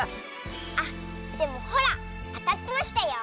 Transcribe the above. あっでもほらあたってましたよ。